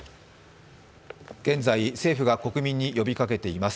現在、政府が国民に呼びかけています。